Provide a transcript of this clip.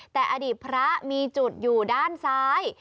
แต่อดีตพระมีจุดอยู่ด้านซ้าย